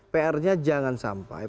pr nya jangan sampai